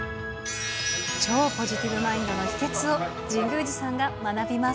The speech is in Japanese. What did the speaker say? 超ポジティブマインドの秘けつを、神宮寺さんが学びます。